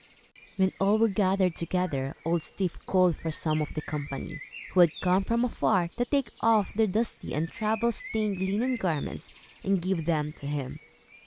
When all were gathered together, Old Styf called for some of the company, who had come from afar, to take off their dusty and travel stained linen garments and give them to him.